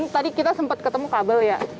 tadi kita sempat ketemu kabel ya